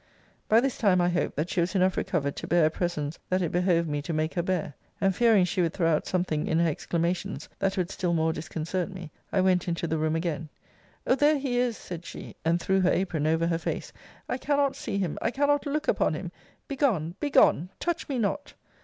By this time, I hoped, that she was enough recovered to bear a presence that it behoved me to make her bear; and fearing she would throw out something in her exclamations, that would still more disconcert me, I went into the room again. O there he is! said she, and threw her apron over her face I cannot see him! I cannot look upon him! Begone, begone! touch me not!